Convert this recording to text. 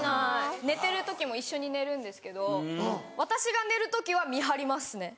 寝てる時も一緒に寝るんですけど私が寝る時は見張りますね